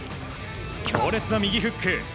強烈な右フック。